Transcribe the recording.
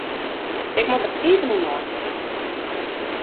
Ik moat der even oer neitinke.